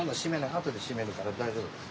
あとで閉めるから大丈夫ですよ。